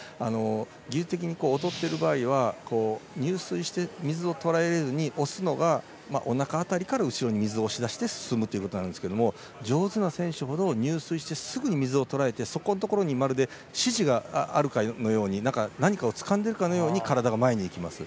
技術的に劣っている場合は入水して水をとらえずに押すのがおなか辺りから後ろに水を出して進むんですけど上手な選手ほど入水してすぐに水をとらえて、そこに何かまるで支持があるかのように何かをつかんでいるかのように体が前にいきます。